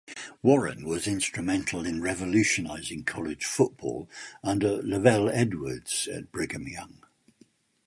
Warren was instrumental in revolutionizing college football under LaVell Edwards at Brigham Young.